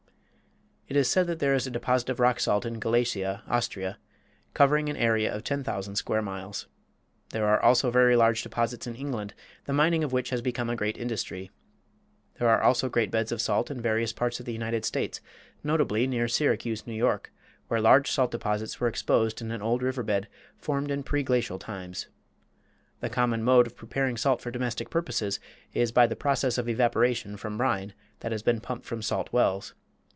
It is said that there is a deposit of rock salt in Galicia, Austria, covering an area of 10,000 square miles. There are also very large deposits in England, the mining of which has become a great industry. There are also great beds of salt in various parts of the United States, notably near Syracuse, N. Y., where large salt deposits were exposed in an old river bed formed in preglacial times. The common mode of preparing salt for domestic purposes is by the process of evaporation from brine that has been pumped from salt wells.